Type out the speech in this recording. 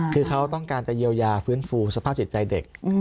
คือเขาต้องการจะเยียวยาฟื้นฟูสภาพจิตใจเด็ก